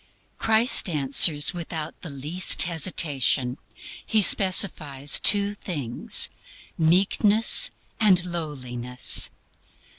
Christ answers without the least hesitation. He specifies two things Meekness and Lowliness.